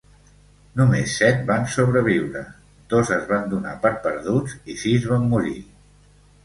Només set van sobreviure: dos es van dona per perduts, i sis van morir.